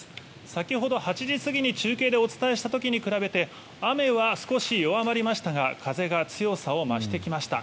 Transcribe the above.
先ほど８時過ぎに中継でお伝えした時に比べて雨は少し弱まりましたが風が強さを増してきました。